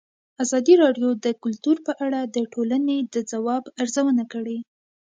ازادي راډیو د کلتور په اړه د ټولنې د ځواب ارزونه کړې.